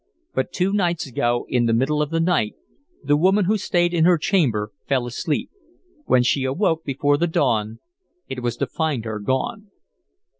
But two nights ago, in the middle of the night, the woman who stayed in her chamber fell asleep. When she awoke before the dawn, it was to find her gone."